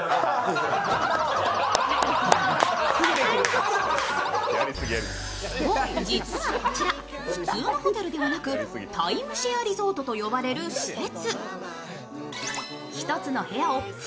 そう、実はこちら普通のホテルではなく、タイムシェアリゾートと呼ばれる施設。